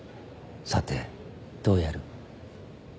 さてどうやる？